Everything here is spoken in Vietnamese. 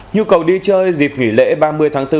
nhu cầu đi chơi dịp nghỉ lễ ba mươi tháng bốn